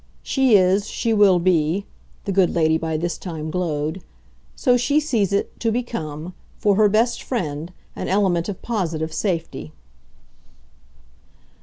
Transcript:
She is, she will be" the good lady by this time glowed. "So she sees it to become, for her best friend, an element of POSITIVE safety."